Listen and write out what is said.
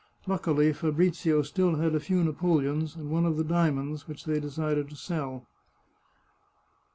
Luckily Fabrizio still had a few napoleons, and one of the diamonds, which they decided to sell.